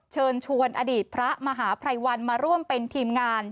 เชิญชวนอดีตพระมหาภัยวันมาร่วมเป็นทีมงาน